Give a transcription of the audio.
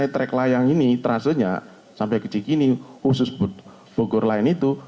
terasa saya trek layang ini terasanya sampai ke jikini khusus bogor lain itu